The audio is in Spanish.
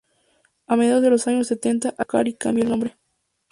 A mediados de los años setenta adquiere el local y cambia el nombre.